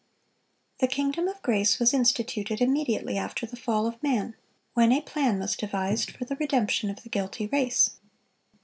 The kingdom of grace was instituted immediately after the fall of man, when a plan was devised for the redemption of the guilty race.